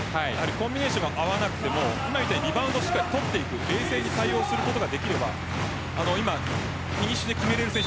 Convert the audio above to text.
コンビネーションが合わなくてもリバウンド、しっかり取っていく冷静に対応していくことができれば今、フィニッシュで決められる選手